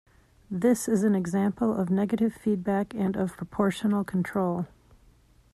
This is an example of negative feedback and of proportional control.